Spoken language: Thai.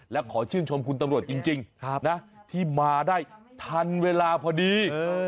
และขอชื่นชมคุณตำรวจจริงนะที่มาได้ทันเวลาพอดี